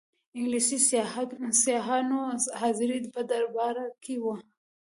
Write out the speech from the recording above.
انګلیسي سیاحانو حاضري په دربار کې وه.